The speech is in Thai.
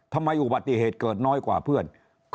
อุบัติเหตุเกิดน้อยกว่าเพื่อน